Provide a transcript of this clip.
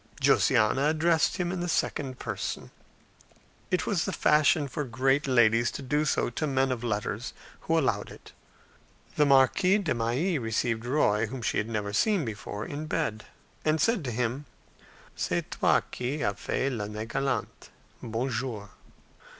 Josiana addressed him in the second person; it was the fashion for great ladies to do so to men of letters, who allowed it. The Marquise de Mailly received Roy, whom she had never seen before, in bed, and said to him, "C'est toi qui as fait l'Année galante! Bonjour."